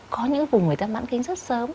có những vùng người ta mãn kinh rất sớm